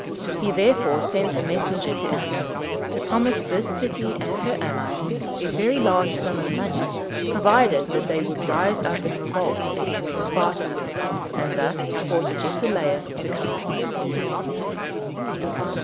He therefore sent a messenger to Athens to promise this city and her allies a very large sum of money provided that they would rise up in revolt against Sparta, and thus force Agesilaus to come home.